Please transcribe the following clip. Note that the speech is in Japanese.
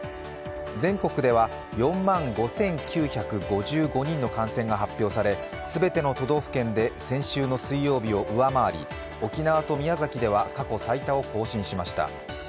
全国では４万５９５５人の感染が発表され全ての都道府県で先週の水曜日を上回り沖縄と宮崎では過去最多を更新しました。